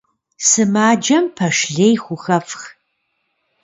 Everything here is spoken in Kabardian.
Сымаджэм пэш лей хухэфх.